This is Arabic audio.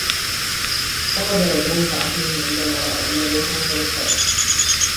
فقد رزانة عقله عندما رأى أن بيته قد احترق.